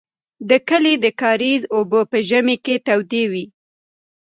د کلي د کاریز اوبه په ژمي کې تودې وې.